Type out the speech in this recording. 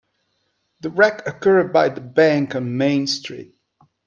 The wreck occurred by the bank on Main Street.